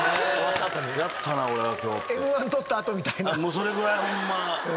それぐらいホンマ。